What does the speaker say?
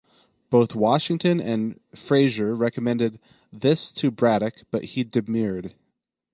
Both Washington and Fraser recommended this to Braddock but he demurred.